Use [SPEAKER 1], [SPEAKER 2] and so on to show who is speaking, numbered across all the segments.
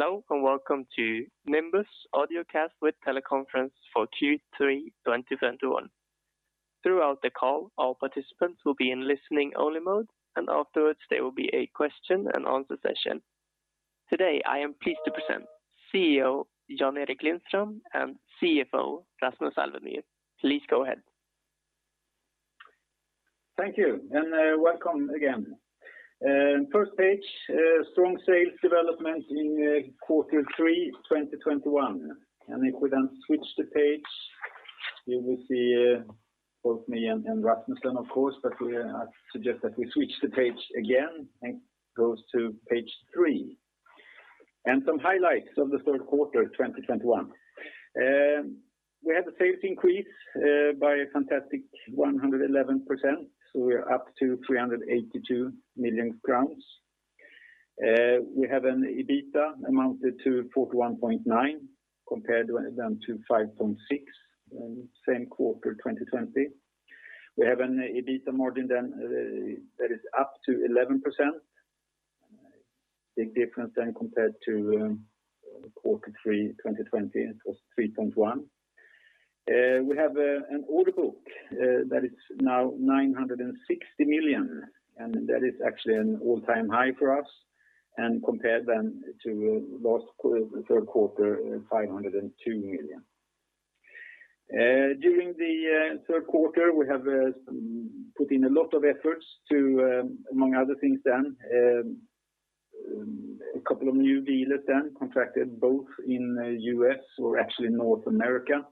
[SPEAKER 1] Hello and welcome to Nimbus Audiocast with Teleconference for Q3 2021. Throughout the call, all participants will be in listening only mode, and afterwards there will be a question and answer session. Today, I am pleased to present CEO Jan-Erik Lindström and CFO Rasmus Alvemyr. Please go ahead.
[SPEAKER 2] Thank you, welcome again. First page, strong sales development in Q3 2021. If we then switch the page, you will see, both me and Rasmus then of course. I suggest that we switch the page again, and goes to page three. Some highlights of the third quarter 2021. We had a sales increase by a fantastic 111%, so we're up to 382 million crowns. We have an EBITDA amounted to 41.9 million compared then to 5.6 million in same quarter 2020. We have an EBITDA margin then that is up to 11%. Big difference then compared to Q3 2020, it was 3.1%. We have an order book that is now 960 million, and that is actually an all-time high for us, and compared to third quarter, 502 million. During the third quarter, we have put in a lot of efforts to, among other things, a couple of new dealers contracted both in U.S. or actually North America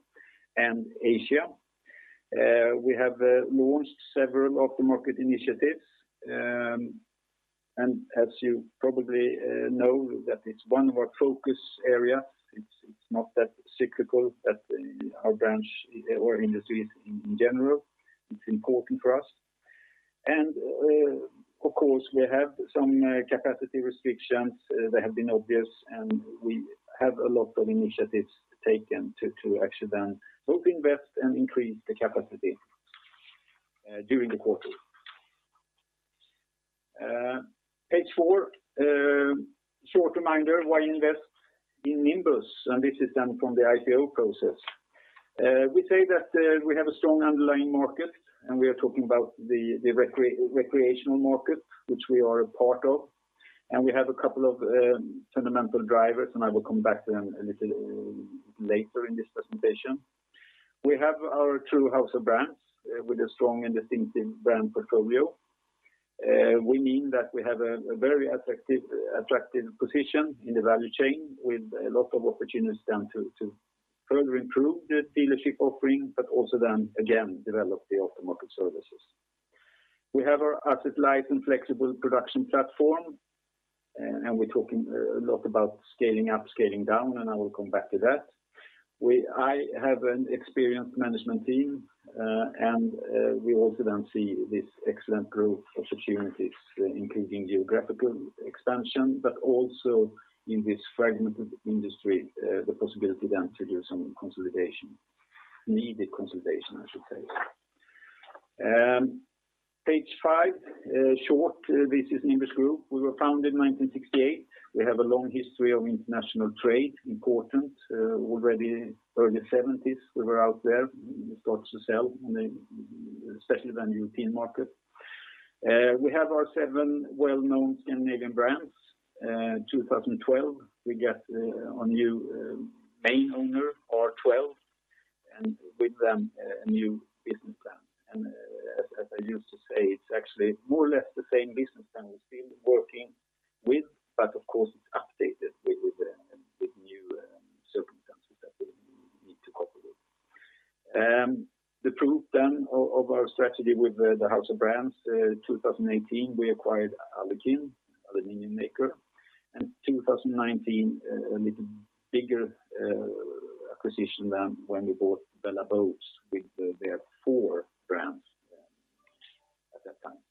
[SPEAKER 2] and Asia. We have launched several aftermarket initiatives, and as you probably know that it's one of our focus area. It's not that cyclical that our brand or industry in general, it's important for us. Of course, we have some capacity restrictions that have been obvious, and we have a lot of initiatives taken to actually then both invest and increase the capacity during the quarter. Page four, short reminder why invest in Nimbus, and this is then from the IPO process. We say that we have a strong underlying market, and we are talking about the recreational market, which we are a part of. We have a couple of fundamental drivers, and I will come back to them a little later in this presentation. We have our true House of Brands with a strong and distinctive brand portfolio. We mean that we have a very attractive position in the value chain with a lot of opportunities to further improve the dealership offering, but also develop the aftermarket services. We have our asset light and flexible production platform, and we're talking a lot about scaling up, scaling down, and I will come back to that. I have an experienced management team, and we also see this excellent growth opportunities, including geographical expansion, but also in this fragmented industry, the possibility to do some consolidation. Needed consolidation, I should say. Page five, short, this is Nimbus Group. We were founded in 1968. We have a long history of international trade, important, already early 1970s, we were out there. We started to sell especially the European market. We have our seven well-known Scandinavian brands. In 2012, we get a new main owner, R12, and with them a new business plan. As I used to say, it's actually more or less the same business plan we've been working with, but of course, it's updated with new circumstances that we need to cope with. The proof of our strategy with the House of Brands. In 2018, we acquired Alukin, aluminum maker. In 2019, a little bigger acquisition than when we bought Bella Boats with their four brands at that time.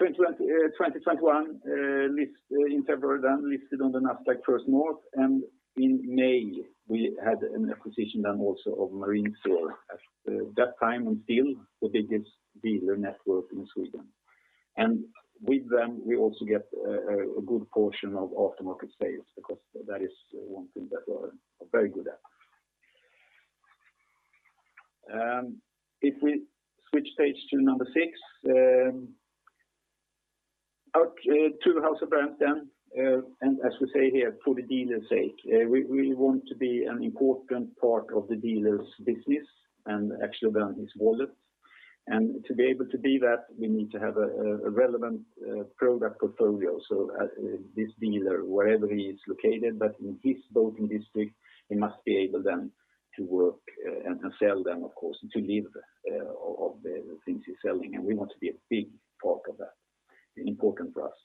[SPEAKER 2] In 2021, in February we listed on the Nasdaq First North, and in May, we had an acquisition then also of MarineStore. At that time, still the biggest dealer network in Sweden. With them, we also get a good portion of aftermarket sales because that is one thing that we're very good at. If we switch page to number six, our true House of Brands then and as we say here, for the dealer's sake, we want to be an important part of the dealer's business and actually then his wallet. To be able to be that, we need to have a relevant product portfolio. This dealer, wherever he's located, but in his boating district, he must be able then to work and sell them, of course, to live off the things he's selling. We want to be a big part of that, important for us.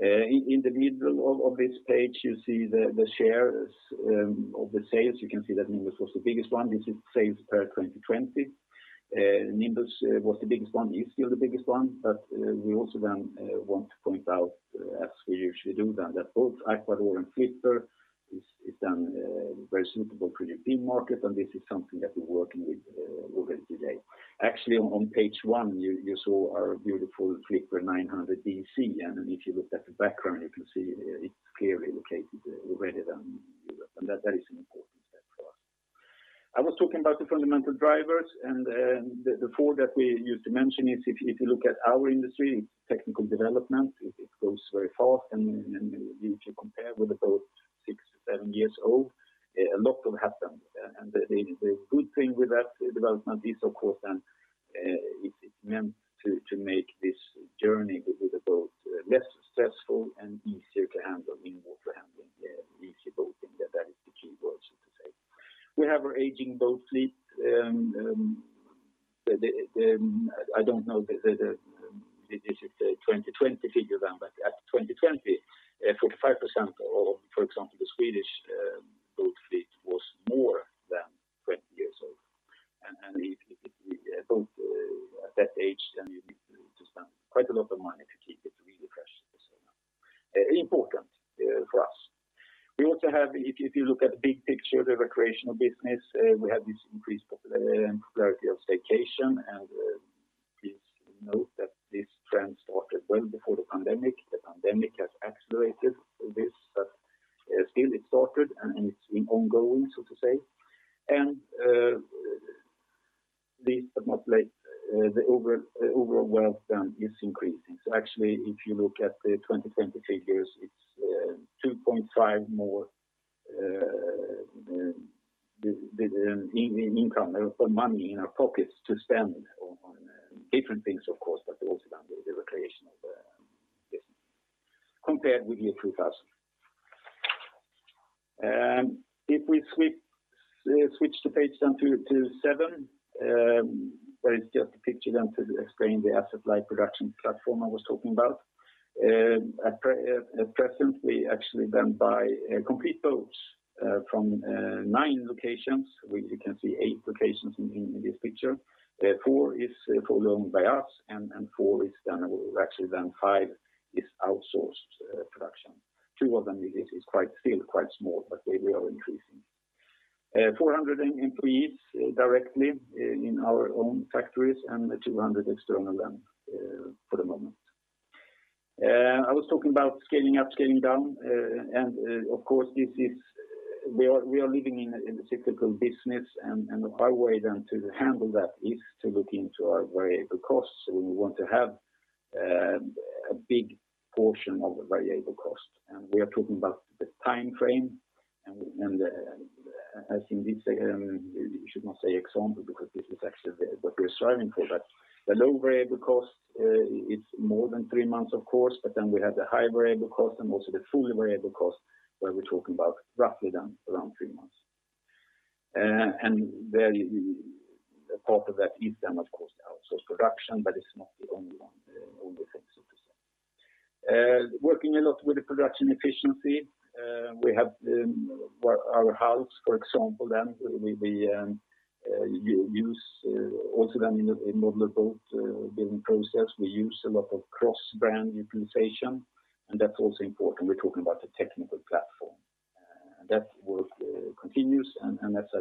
[SPEAKER 2] In the middle of this page, you see the shares of the sales. You can see that Nimbus was the biggest one. This is sales for 2020. Nimbus was the biggest one and is still the biggest one. We also want to point out as we usually do that both Aquador and Flipper is very suitable for the European market, and this is something that we're working with already today. Actually, on page one, you saw our beautiful Flipper 900 DC. If you look at the background, you can see it's clearly located already then in Europe, and that is an important market. I was talking about the fundamental drivers, and then the four that we used to mention is if you look at our industry, technical development, it goes very fast and if you compare with about six-seven years ago, a lot has happened. The good thing with that development is of course then it meant to make this journey with the boat less stressful and easier to handle. I mean, more to handling the easy boat and that is the key word, so to say. We have our aging boat fleet. I don't know if it's a 2020 figure then, but at 2020, 45% of, for example, the Swedish boat fleet was more than 20 years old. If it's at that age, then you need to spend quite a lot of money to keep it really fresh. It's important for us. We also have, if you look at the big picture, the recreational business, we have this increased popularity of staycation, and please note that this trend started well before the pandemic. The pandemic has accelerated this, but still it started and it's been ongoing, so to say. This modulates the overall wealth then is increasing. Actually if you look at the 2020 figures, it's 2.5 more in income or money in our pockets to spend on different things of course, but also the recreational business compared with the year 2000. If we switch to page 27, that is just a picture to explain the asset-light production platform I was talking about. At present, we actually buy complete boats from nine locations. You can see eight locations in this picture. Four are fully owned by us and four, or actually five, are outsourced production. Two of them are still quite small, but we are increasing. 400 employees directly in our own factories and 200 external for the moment. I was talking about scaling up, scaling down. Of course this is. We are living in a cyclical business and our way then to handle that is to look into our variable costs. We want to have a big portion of the variable cost. We are talking about the timeframe and as in this you should not say example because this is actually what we're striving for. The low variable cost, it's more than three months of course, but then we have the high variable cost and also the fully variable cost, where we're talking about roughly then around three months. There's a part of that is then of course the outsourced production, but it's not the only one, only thing so to say. Working a lot with the production efficiency, we have our House of Brands, for example, then we use also then in a modular boat building process. We use a lot of cross-brand utilization, and that's also important. We're talking about the technical platform. That work continues, and that's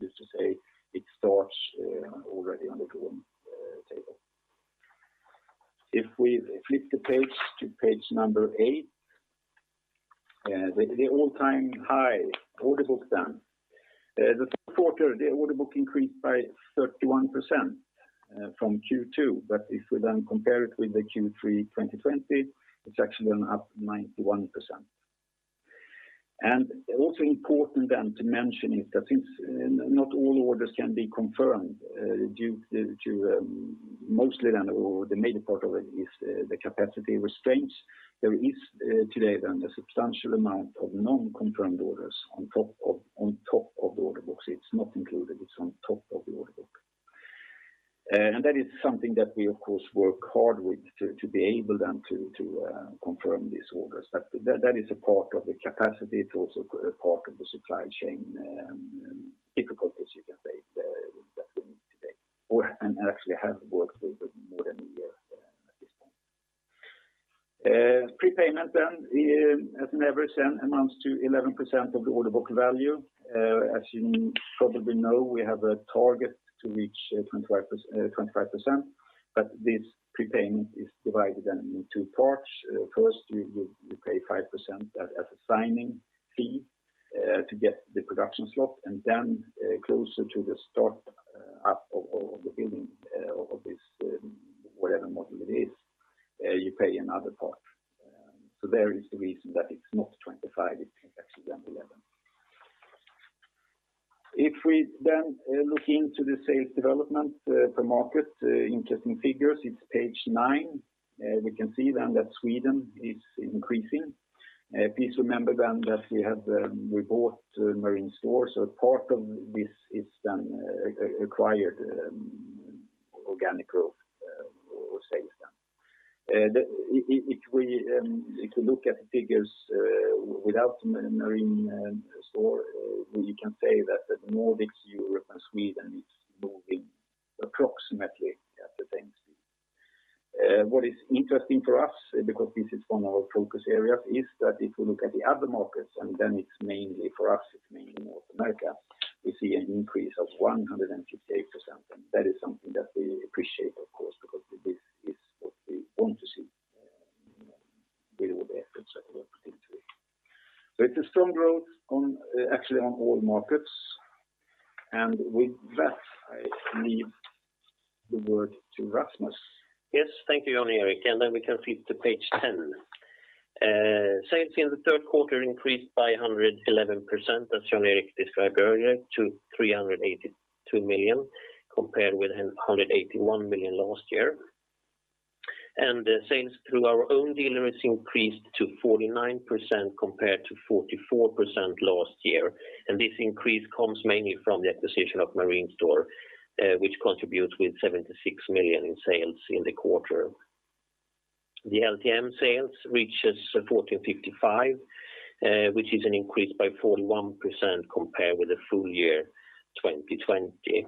[SPEAKER 2] just to say it starts already on the drawing table. If we flip the page to page number eight, the all-time high order book then. In the third quarter, the order book increased by 31% from Q2. If we then compare it with the Q3 2020, it's actually then up 91%. Also important to mention is that since not all orders can be confirmed due to mostly or the major part of it is the capacity constraints. There is today a substantial amount of non-confirmed orders on top of the order books. It's not included, it's on top of the order book. That is something that we of course work hard with to be able to confirm these orders. But that is a part of the capacity. It's also a part of the supply chain difficulties you can say that we need to take and actually have worked with for more than a year at this point. Prepayment then as in every case amounts to 11% of the order book value. As you probably know, we have a target to reach 25%, but this prepayment is divided then in two parts. First you pay 5% as a signing fee to get the production slot, and then closer to the start up of the building of this whatever model it is, you pay another part. There is the reason that it's not 25, it's actually then 11. If we look into the sales development, the market interesting figures, it's page nine. We can see then that Sweden is increasing. Please remember then that we have bought MarineStore. Part of this is then acquired organic growth or sales then. If we look at the figures without MarineStore, we can say that the Nordics, Europe and Sweden is moving approximately at the same speed. What is interesting for us, because this is one of our focus areas, is that if you look at the other markets, and then it's mainly for us, it's mainly North America, we see an increase of 158%, and that is something that we appreciate of course, because this is what we want to see. With the strong growth on, actually, on all markets. With that, I leave the word to Rasmus.
[SPEAKER 3] Yes. Thank you, Jan-Erik Lindström. Then we can flip to page 10. Sales in the third quarter increased by 111%, as Jan-Erik Lindström described earlier, to 382 million, compared with 181 million last year. The sales through our own dealers increased to 49% compared to 44% last year. This increase comes mainly from the acquisition of MarineStore, which contributes with 76 million in sales in the quarter. The LTM sales reach 1,455, which is an increase by 41% compared with the full year 2020.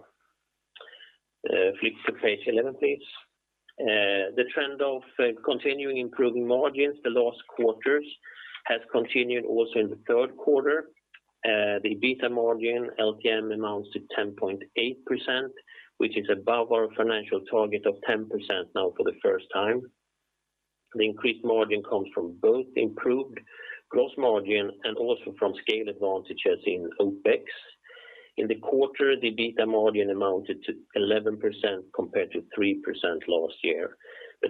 [SPEAKER 3] Flip to page 11, please. The trend of continually improving margins the last quarters has continued also in the third quarter. The EBITDA margin LTM amounts to 10.8%, which is above our financial target of 10% now for the first time. The increased margin comes from both improved gross margin and also from scale advantages in OPEX. In the quarter, the EBITDA margin amounted to 11% compared to 3% last year.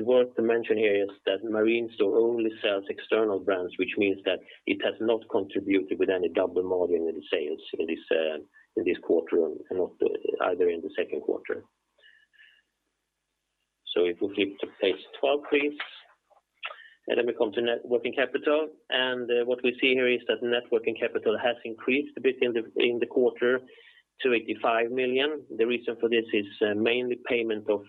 [SPEAKER 3] Worth to mention here is that MarineStore only sells external brands, which means that it has not contributed with any double margin in the sales in this quarter and also in the second quarter. If we flip to page 12, please. We come to net working capital. What we see here is that net working capital has increased a bit in the quarter to 85 million. The reason for this is mainly payment of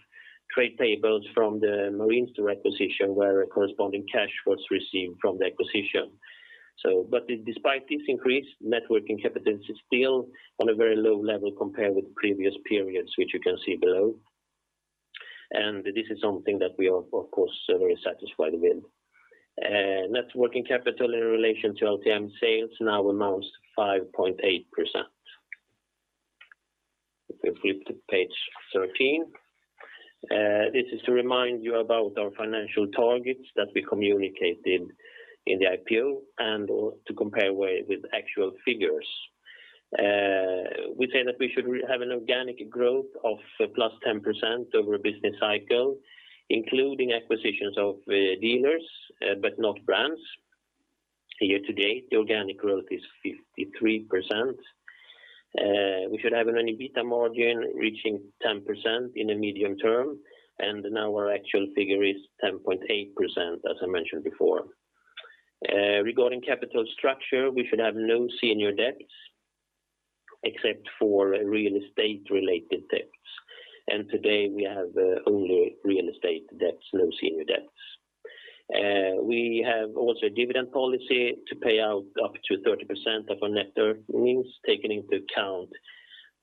[SPEAKER 3] trade payables from the MarineStore acquisition, where a corresponding cash was received from the acquisition. Despite this increase, net working capital is still on a very low level compared with previous periods, which you can see below. This is something that we are, of course, very satisfied with. Net working capital in relation to LTM sales now amounts to 5.8%. If we flip to page 13, this is to remind you about our financial targets that we communicated in the IPO and or to compare way with actual figures. We say that we should have an organic growth of +10% over a business cycle, including acquisitions of dealers, but not brands. Year to date, the organic growth is 53%. We should have an EBITDA margin reaching 10% in the medium term, and now our actual figure is 10.8%, as I mentioned before. Regarding capital structure, we should have no senior debts except for real estate-related debts. Today we have only real estate debts, no senior debts. We have also a dividend policy to pay out up to 30% of our net earnings, taking into account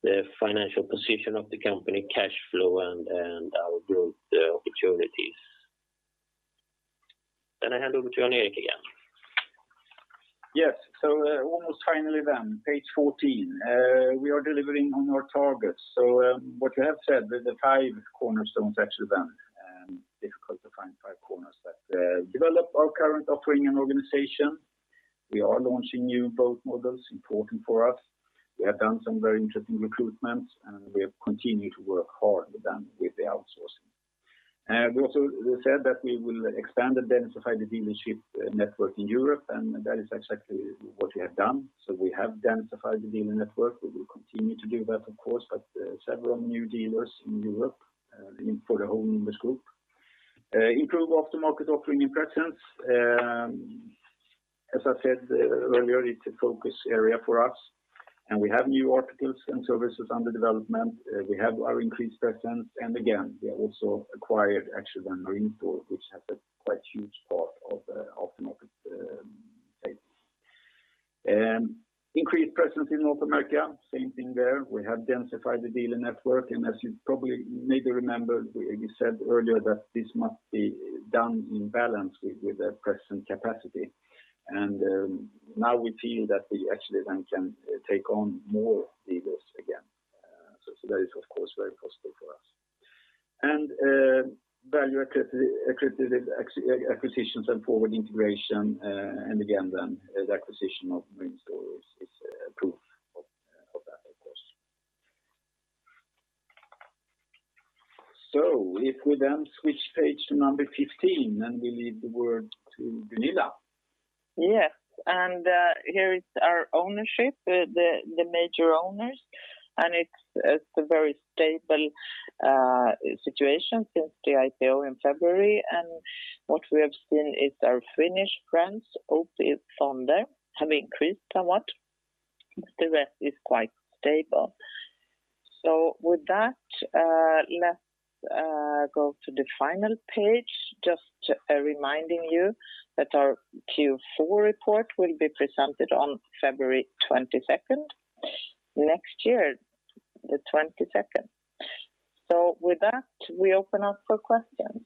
[SPEAKER 3] the financial position of the company cash flow and our growth opportunities. I hand over to Jan-Erik Lindström again.
[SPEAKER 2] Yes. Almost finally then, page fourteen. We are delivering on our targets. What you have said with the five cornerstones actually then, difficult to find five corners that develop our current offering and organization. We are launching new boat models, important for us. We have done some very interesting recruitments, and we have continued to work hard with them with the outsourcing. We also said that we will expand and densify the dealership network in Europe, and that is exactly what we have done. We have densified the dealer network. We will continue to do that, of course, but several new dealers in Europe, in for the whole Nimbus Group. Improve aftermarket offering and presence. As I said earlier, it's a focus area for us. We have new articles and services under development. We have our increased presence. We have also acquired actually then MarineStore, which has a quite huge part of aftermarket space. Increased presence in North America, same thing there. We have densified the dealer network. As you probably maybe remember, we said earlier that this must be done in balance with the present capacity. Now we feel that we actually then can take on more dealers again. That is of course very possible for us. Value acquisitions and forward integration, then the acquisition of MarineStore is proof of that, of course. If we then switch page to number 15, we leave the word to Gunilla.
[SPEAKER 4] Yes. Here is our ownership, the major owners, and it's a very stable situation since the IPO in February. What we have seen is our Finnish friends, OP-Fonden, have increased somewhat. The rest is quite stable. With that, let's go to the final page. Just reminding you that our Q4 report will be presented on February 22nd next year. With that, we open up for questions.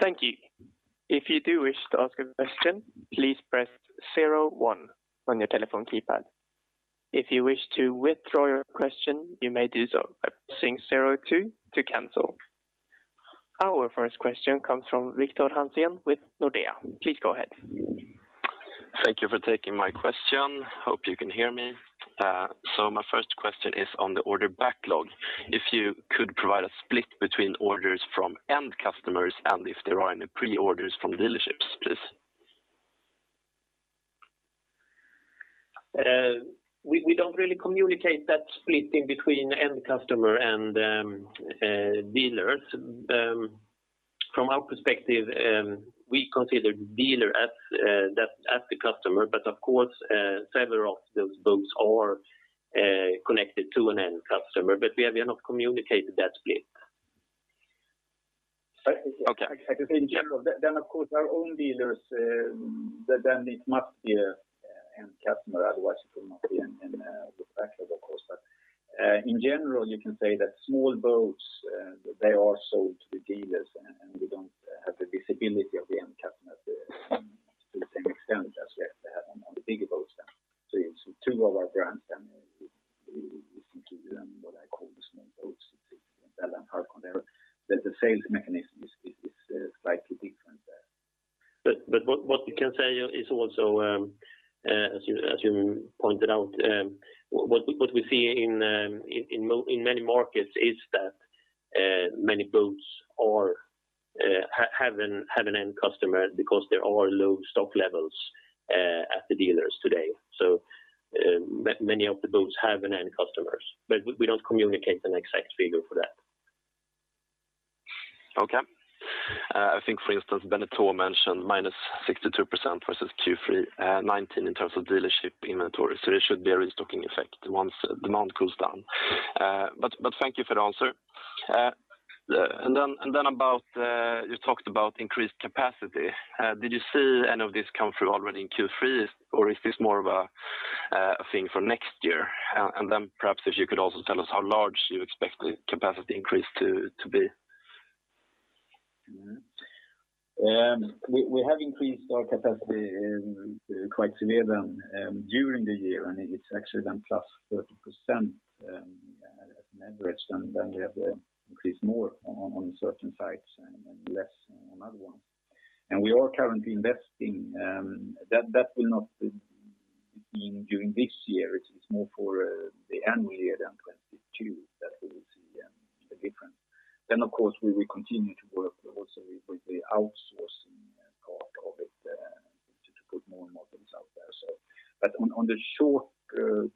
[SPEAKER 1] Thank you. If you do wish to ask a question, please press zero one on your telephone keypad. If you wish to withdraw your question, you may do so by pressing zero two to cancel. Our first question comes from Victor Hansén with Nordea. Please go ahead.
[SPEAKER 5] Thank you for taking my question. Hope you can hear me. My first question is on the order backlog. If you could provide a split between orders from end customers and if there are any pre-orders from dealerships, please.
[SPEAKER 2] We don't really communicate that split in between end customer and dealers. From our perspective, we consider dealer as that as the customer, but of course, several of those boats are connected to an end customer. We have not communicated that split.
[SPEAKER 5] Okay.
[SPEAKER 2] I can say in general that then, of course, our own dealers, then it must be a, an end customer, otherwise it will not be a backlog, of course. In general, you can say that small boats, they are sold to the dealers and we don't have the visibility of the end customer to the same extent as we have on the bigger boats then. It's two of our brands then we listen to them, what I call the small boats, it's that and Falcon there. The sales mechanism is slightly different there. What we can say is also, as you pointed out, what we see in many markets is that many boats have an end customer because there are low stock levels at the dealers today. Many of the boats have an end customers, but we don't communicate an exact figure for that.
[SPEAKER 5] Okay. I think for instance, Beneteau mentioned -62% versus Q3 2019 in terms of dealership inventory. There should be a restocking effect once demand cools down. Thank you for the answer. You talked about increased capacity. Did you see any of this come through already in Q3, or is this more of a thing for next year? Then perhaps if you could also tell us how large you expect the capacity increase to be.
[SPEAKER 2] We have increased our capacity quite severely during the year, and it's actually been +30% on average. We have increased more on certain sites and less on another one. We are currently investing. That will not be during this year. It's more for the year 2022 that we will see the difference. We will continue to work also with the outsourcing part of it to put more and more things out there. On the short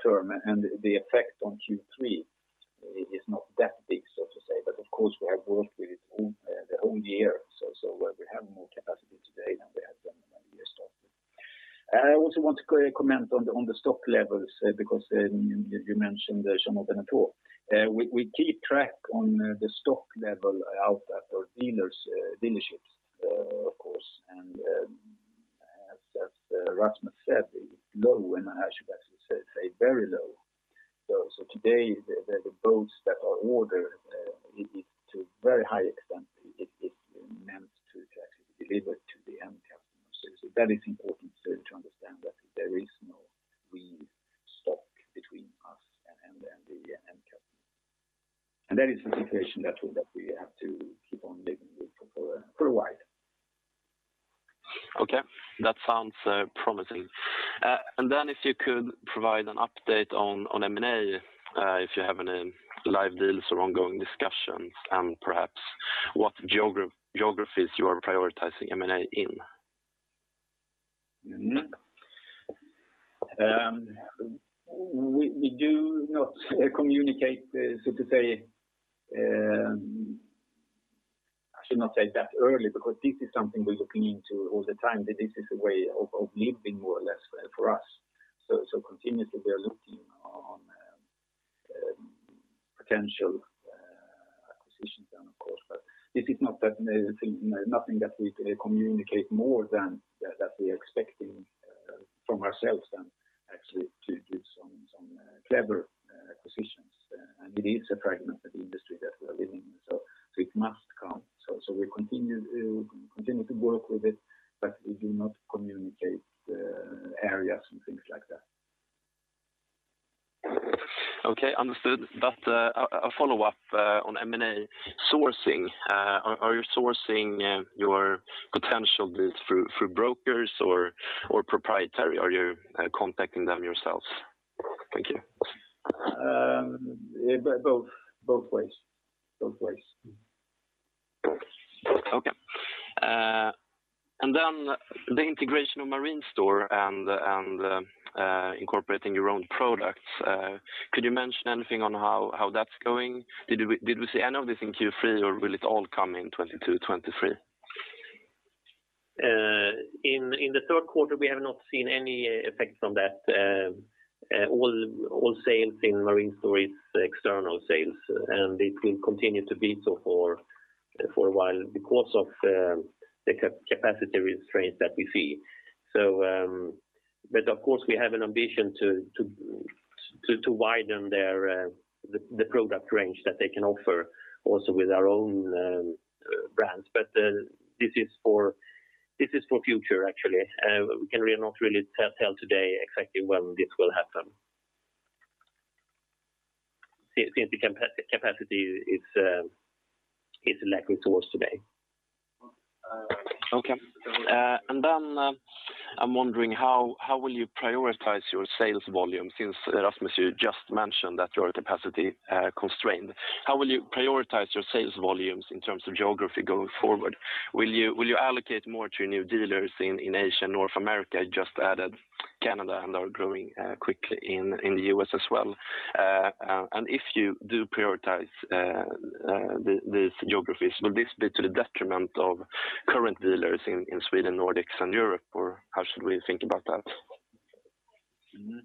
[SPEAKER 2] term and the effect on Q3, it is not that big, so to say. We have worked with it all the whole year. We have more capacity today than we had when we started. I also want to co-comment on the stock levels because you mentioned the Beneteau. We keep track on the stock level out at our dealers, dealerships, of course. As Rasmus said, low, and I should actually say very low. Today the boats that are ordered it is to a very high extent it meant to actually deliver to the end customers. That is important to understand that there is no really stock between us and the end customer. That is the situation that we have to keep on living with for a while.
[SPEAKER 5] Okay. That sounds promising. If you could provide an update on M&A, if you have any live deals or ongoing discussions, and perhaps what geographies you are prioritizing M&A in?
[SPEAKER 2] We do not communicate so to say. I should not say that early, because this is something we're looking into all the time. This is a way of living more or less for us. We continuously are looking into potential acquisitions then of course. This is not anything, nothing that we communicate more than that we are expecting from ourselves to actually do some clever acquisitions. It is a fragmented industry that we are living in. It must come. We continue to work with it, but we do not communicate areas and things like that.
[SPEAKER 5] Okay. Understood. A follow-up on M&A sourcing. Are you sourcing your potential deals through brokers or proprietary? Are you contacting them yourselves? Thank you.
[SPEAKER 2] Both ways.
[SPEAKER 5] Okay. The integration of MarineStore and incorporating your own products. Could you mention anything on how that's going? Did we see any of this in Q3, or will it all come in 2022, 2023?
[SPEAKER 2] In the third quarter, we have not seen any effects from that. All sales in MarineStore is external sales, and it will continue to be so for a while because of the capacity restraints that we see. Of course, we have an ambition to widen their product range that they can offer also with our own brands. This is for future actually. We can really not tell today exactly when this will happen. Since the capacity is lacking for us today.
[SPEAKER 5] I'm wondering how will you prioritize your sales volume since, Rasmus, you just mentioned that your capacity constrained. How will you prioritize your sales volumes in terms of geography going forward? Will you allocate more to your new dealers in Asia, North America just added Canada and are growing quickly in the U.S. as well? If you do prioritize these geographies, will this be to the detriment of current dealers in Sweden, Nordics, and Europe? Or how should we think about that?
[SPEAKER 2] Mm-hmm.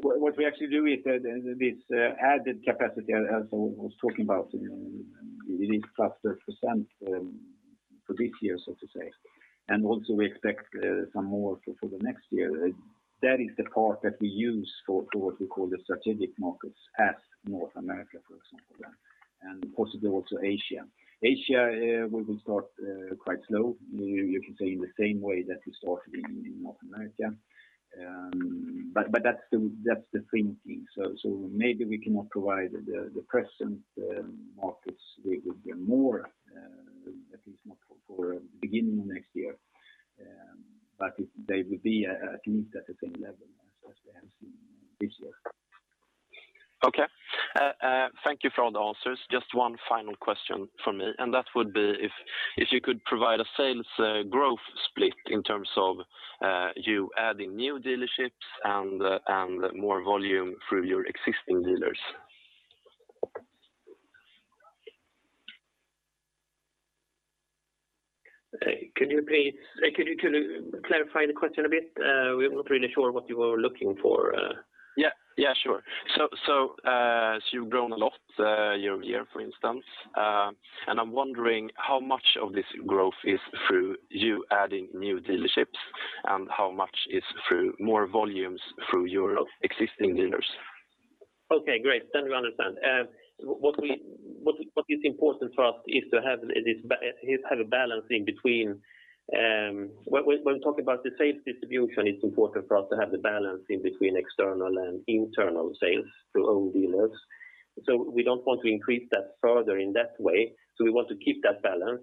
[SPEAKER 2] What we actually do is that this added capacity as I was talking about, we need plus 30% for this year, so to say. Also we expect some more for the next year. That is the part that we use for what we call the strategic markets as North America, for example, and possibly also Asia. Asia we will start quite slow, you could say in the same way that we started in North America. That's the thinking. Maybe we cannot provide the present markets with more, at least not for beginning of next year. They will be at least at the same level as they have seen this year.
[SPEAKER 5] Thank you for all the answers. Just one final question from me, and that would be if you could provide a sales growth split in terms of you adding new dealerships and more volume through your existing dealers.
[SPEAKER 2] Could you clarify the question a bit? We're not really sure what you were looking for.
[SPEAKER 5] Yeah. Yeah, sure. So, as you've grown a lot, year-over-year, for instance, and I'm wondering how much of this growth is through you adding new dealerships, and how much is through more volumes through your existing dealers.
[SPEAKER 2] Okay, great. We understand. What is important for us is to have a balance in between. When talking about the sales distribution, it's important for us to have the balance in between external and internal sales through own dealers. We don't want to increase that further in that way, so we want to keep that balance.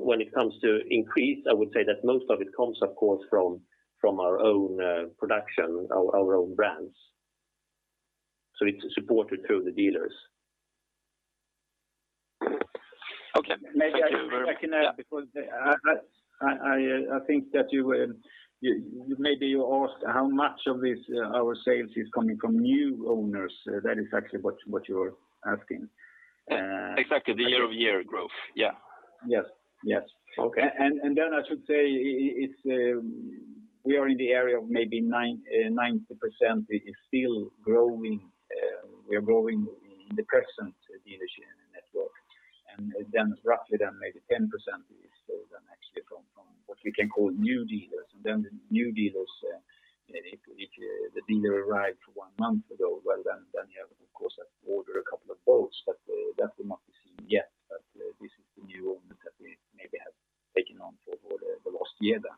[SPEAKER 2] When it comes to increase, I would say that most of it comes, of course, from our own production, our own brands. It's supported through the dealers.
[SPEAKER 5] Okay. Thank you.
[SPEAKER 2] Maybe I can add because I think that you maybe you asked how much of this our sales is coming from new owners. That is actually what you're asking.
[SPEAKER 5] Exactly. The year-over-year growth. Yeah.
[SPEAKER 2] Yes. Yes.
[SPEAKER 5] Okay.
[SPEAKER 2] I should say it's we are in the area of maybe 90% is still growing. We are growing in the present dealership network. Roughly maybe 10% is sold actually from what we can call new dealers. The new dealers, if the dealer arrived one month ago, well then you have of course ordered a couple of boats, but that will not be seen yet. This is the new owners that we maybe have taken on for the last year then.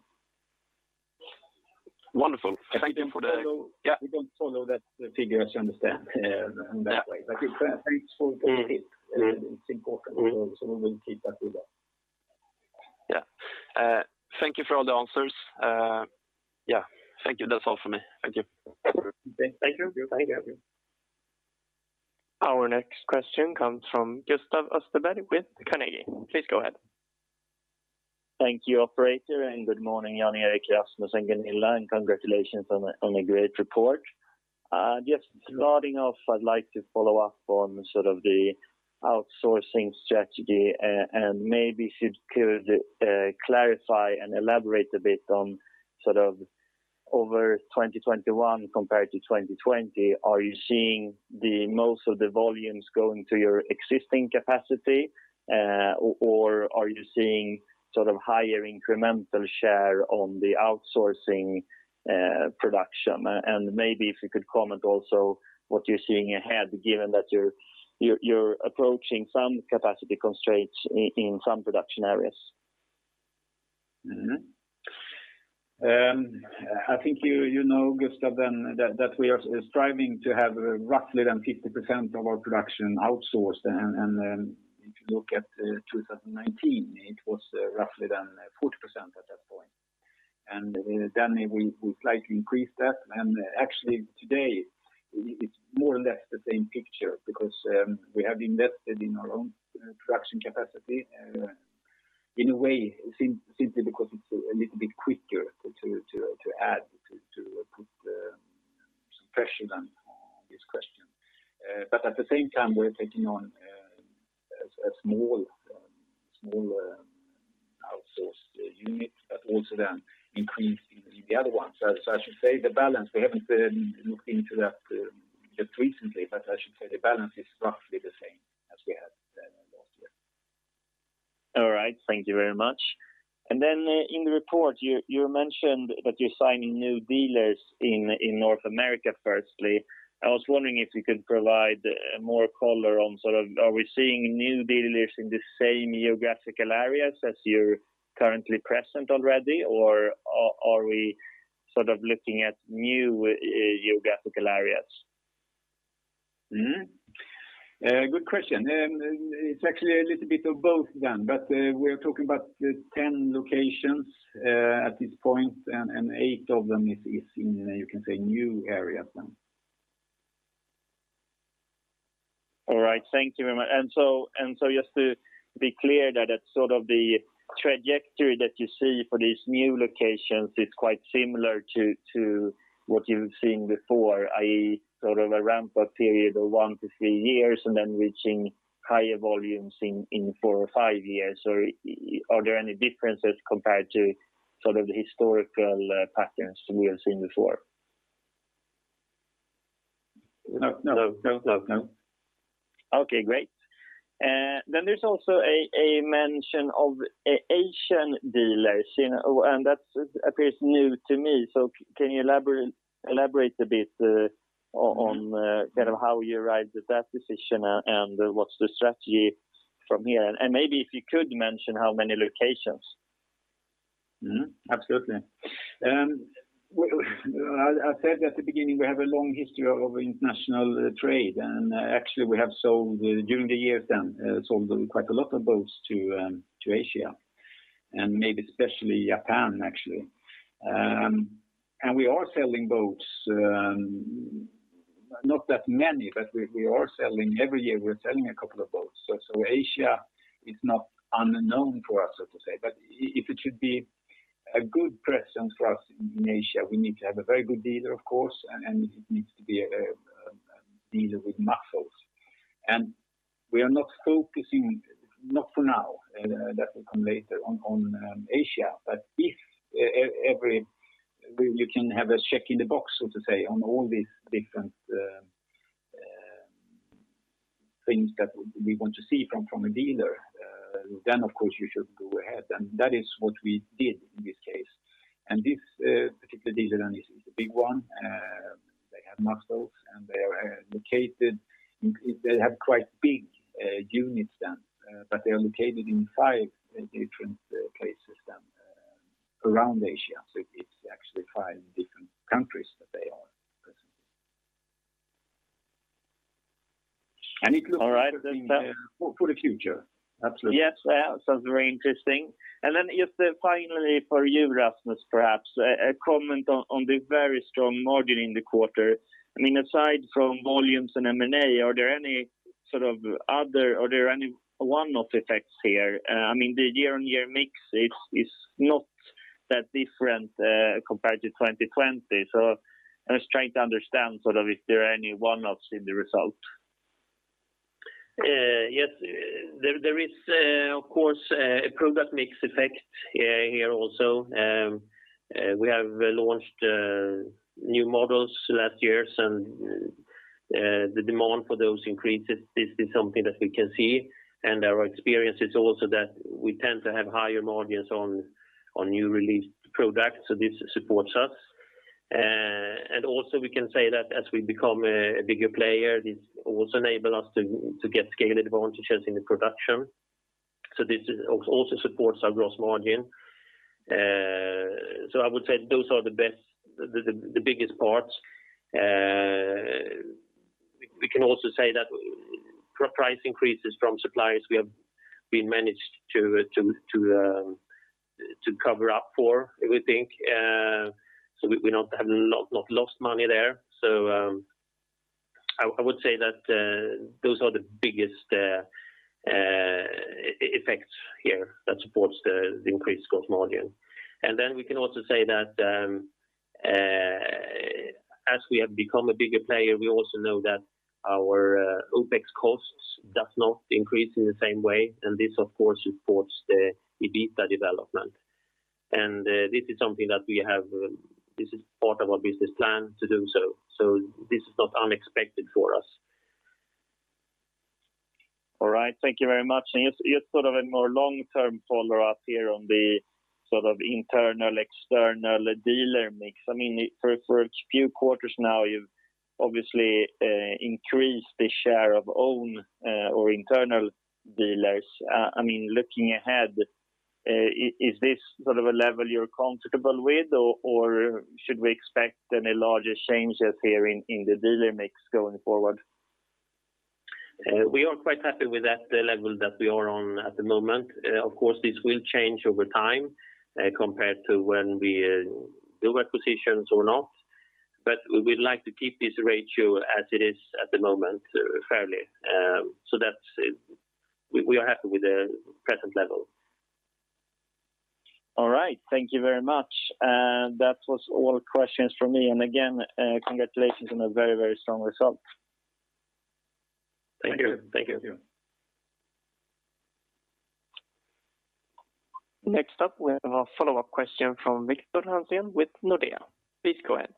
[SPEAKER 5] Wonderful.
[SPEAKER 2] We don't follow.
[SPEAKER 5] Yeah.
[SPEAKER 2] We don't follow that figure, as you understand, in that way. It's thanks for pointing it. It's important. We will keep that in mind.
[SPEAKER 5] Yeah. Thank you for all the answers. Yeah. Thank you. That's all for me. Thank you.
[SPEAKER 2] Thank you.
[SPEAKER 1] Our next question comes from Gustav Österberg with Carnegie. Please go ahead.
[SPEAKER 6] Thank you, operator, and good morning, Jan-Erik, Rasmus, and Gunilla, and congratulations on a great report. Just starting off, I'd like to follow up on sort of the outsourcing strategy and maybe if you could clarify and elaborate a bit on sort of over 2021 compared to 2020, are you seeing the most of the volumes going to your existing capacity, or are you seeing sort of higher incremental share on the outsourcing production? Maybe if you could comment also what you're seeing ahead, given that you're approaching some capacity constraints in some production areas.
[SPEAKER 2] I think you know, Gustav, that we are striving to have roughly 50% of our production outsourced. If you look at 2019, it was roughly 40% at that point. We slightly increased that. Actually today it's more or less the same picture because we have invested in our own production capacity in a way because it's a little bit quicker to add to put some pressure on this question. At the same time, we're taking on a small outsourced unit, but also increasing the other ones. I should say the balance, we haven't looked into that just recently, but I should say the balance is roughly the same as we had last year.
[SPEAKER 6] All right. Thank you very much. Then in the report, you mentioned that you're signing new dealers in North America, firstly. I was wondering if you could provide more color on sort of are we seeing new dealers in the same geographical areas as you're currently present already, or are we sort of looking at new geographical areas.
[SPEAKER 2] Good question. It's actually a little bit of both then, but we're talking about the 10 locations at this point, and eight of them is in, you can say, new areas then.
[SPEAKER 6] All right. Thank you very much. Just to be clear that it's sort of the trajectory that you see for these new locations is quite similar to what you've seen before, i.e., sort of a ramp-up period of one-three years and then reaching higher volumes in four or five years. Are there any differences compared to sort of the historical patterns we have seen before?
[SPEAKER 2] No.
[SPEAKER 6] No.
[SPEAKER 2] No.
[SPEAKER 6] Okay, great. Then there's also a mention of Asian dealers, you know, and that appears new to me. Can you elaborate a bit on kind of how you arrived at that decision and what's the strategy from here? Maybe if you could mention how many locations?
[SPEAKER 2] Absolutely. Well, I said at the beginning, we have a long history of international trade, and actually we have sold during the years then, sold quite a lot of boats to Asia, and maybe especially Japan, actually. We are selling boats, not that many, but we are selling every year, we're selling a couple of boats. Asia is not unknown for us, so to say. If it should be a good presence for us in Asia, we need to have a very good dealer, of course, and it needs to be a dealer with muscles. We are not focusing, not for now, that will come later on Asia. If every... You can have a check in the box, so to say, on all these different things that we want to see from a dealer, then of course you should go ahead, and that is what we did in this case. This particular dealer then is a big one. They have muscles, and they have quite big units, but they are located in five different places around Asia. It's actually five different countries that they are presently.
[SPEAKER 6] All right.
[SPEAKER 2] For the future. Absolutely.
[SPEAKER 6] Yes. Sounds very interesting. Then just finally for you, Rasmus, perhaps a comment on the very strong margin in the quarter. I mean, aside from volumes and M&A, are there any one-off effects here? I mean, the year-on-year mix is not that different compared to 2020. I'm just trying to understand sort of is there any one-offs in the result?
[SPEAKER 3] Yes. There is, of course, a product mix effect here also. We have launched new models last year, and the demand for those increases. This is something that we can see. Our experience is also that we tend to have higher margins on new released products, so this supports us. We can say that as we become a bigger player, this also enable us to get scale advantages in the production. This also supports our gross margin. I would say those are the best, the biggest parts. We can also say that price increases from suppliers, we have managed to cover up for, we think. We have not lost money there. I would say that those are the biggest effects here that supports the increased gross margin. We can also say that as we have become a bigger player, we also know that our OPEX costs does not increase in the same way, and this of course supports the EBITDA development. This is something that we have. This is part of our business plan to do so. This is not unexpected for us.
[SPEAKER 6] All right. Thank you very much. Just sort of a more long-term follow-up here on the sort of internal, external dealer mix. I mean, for a few quarters now, you've obviously increased the share of own or internal dealers. I mean, looking ahead, is this sort of a level you're comfortable with, or should we expect any larger changes here in the dealer mix going forward?
[SPEAKER 3] We are quite happy with that, the level that we are on at the moment. Of course, this will change over time, compared to when we do acquisitions or not. We'd like to keep this ratio as it is at the moment, fairly. That's it. We are happy with the present level.
[SPEAKER 6] All right. Thank you very much. That was all questions from me. Again, congratulations on a very, very strong result.
[SPEAKER 2] Thank you.
[SPEAKER 3] Thank you.
[SPEAKER 2] Thank you.
[SPEAKER 1] Next up, we have a follow-up question from Victor Hansen with Nordea. Please go ahead.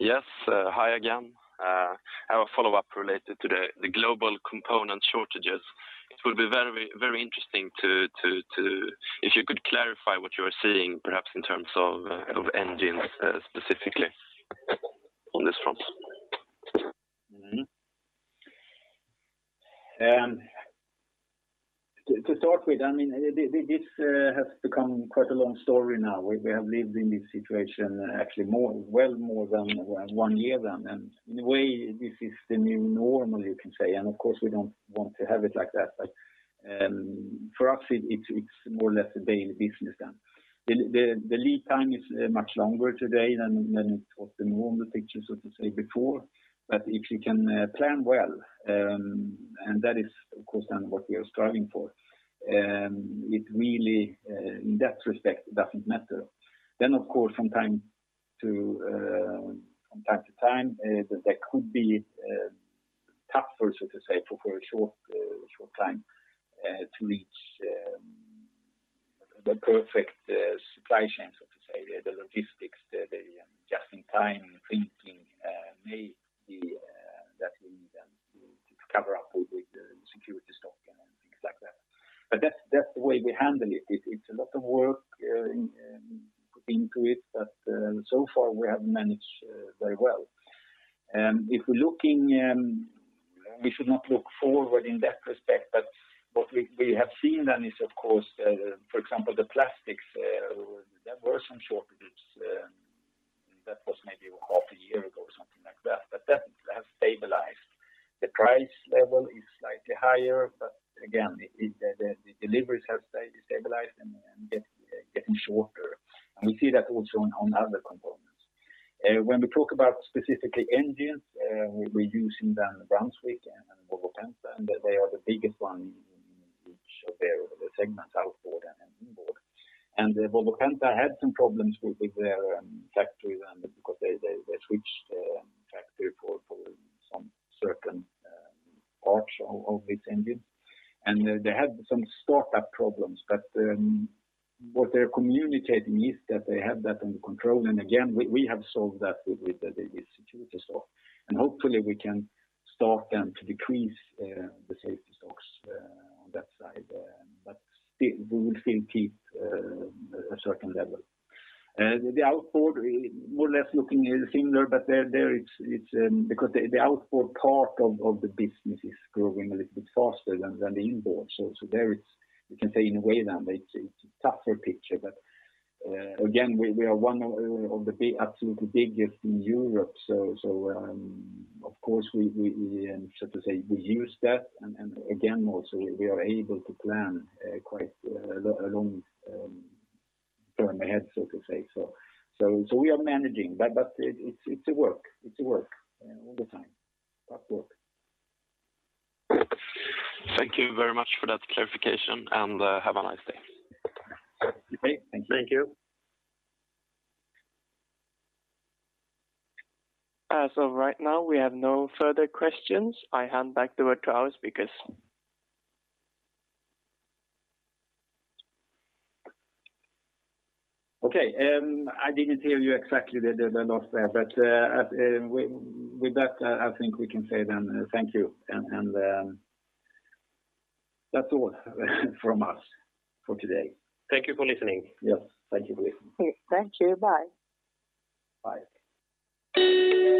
[SPEAKER 5] Yes. Hi again. I have a follow-up related to the global component shortages. It would be very, very interesting. If you could clarify what you are seeing, perhaps in terms of engines, specifically.
[SPEAKER 2] To start with, I mean, this has become quite a long story now. We have lived in this situation actually more, well more than one year then. In a way, this is the new normal, you can say. Of course, we don't want to have it like that. For us, it's more or less a daily business done. The lead time is much longer today than what the normal picture, so to say, before. If you can plan well, and that is of course then what we are striving for, it really in that respect, it doesn't matter. Of course, from time to time that could be tougher, so to say, for a short time to reach the perfect supply chain, so to say. The logistics, the just-in-time thinking may be that we need to cover up with the security stock and things like that. But that's the way we handle it. It's a lot of work in putting to it, but so far we have managed very well. If we're looking, we should not look forward in that respect, but what we have seen then is of course, for example, the plastics, there were some shortages that was maybe half a year ago or something like that, but that has stabilized. The price level is slightly higher, but again, the deliveries have stabilized and getting shorter. We see that also on other components. When we talk about specifically engines, we're reducing down to the Brunswick and Volvo Penta, and they are the biggest one in each of their segments outboard and inboard. The Volvo Penta had some problems with their factory then because they switched factory for certain parts of its engine. They had some startup problems, but what they're communicating is that they have that under control. Again, we have solved that with the safety stock. Hopefully we can start then to decrease the safety stocks on that side. But still, we will still keep a certain level. The outboard more or less looking a little similar, but there it's because the outboard part of the business is growing a little bit faster than the inboard. There it's, you can say in a way, then it's a tougher picture. Again, we are one of the big, absolutely biggest in Europe. Of course, we so to say use that and again also we are able to plan quite a long term ahead, so to say. We are managing, but it's a work all the time, but work.
[SPEAKER 5] Thank you very much for that clarification, and have a nice day.
[SPEAKER 2] Okay. Thank you.
[SPEAKER 1] Thank you. As of right now, we have no further questions. I hand back the word to our speakers.
[SPEAKER 2] Okay. I didn't hear you exactly the last there, but with that, I think we can say then thank you. That's all from us for today.
[SPEAKER 1] Thank you for listening.
[SPEAKER 2] Yes. Thank you for listening.
[SPEAKER 4] Yes. Thank you. Bye.
[SPEAKER 2] Bye.